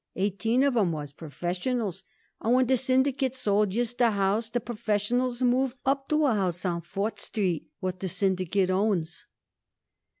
"Eighteen of 'em was professionals, and when de syndicate sold youse de house de professionals moved up to a house on Fourt' Street what de syndicate owns."